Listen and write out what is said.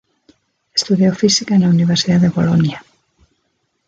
Estudió fisica en la Universidad de Bolonia.